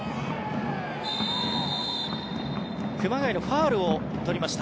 熊谷のファウルを取りました。